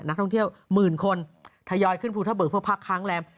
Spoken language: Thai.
นักท่องเที่ยวหมื่นคนทยอยขึ้นภูทศ์เบิกพักครั้งแรม